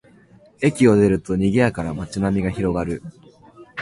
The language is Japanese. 駅を出ると、にぎやかな街並みが広がる